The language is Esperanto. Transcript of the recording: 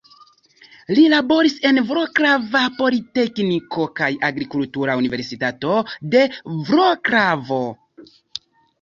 Li laboris en Vroclava Politekniko kaj Agrikultura Universitato de Vroclavo.